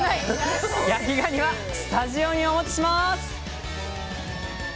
焼きがにはスタジオにお持ちします！